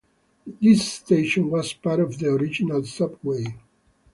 This station was part of the original subway.